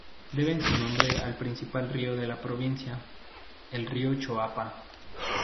Debe su nombre al principal río de la provincia: el río Choapa.